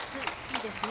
いいですね。